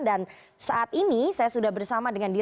dan saat ini saya sudah bersama dengan dilma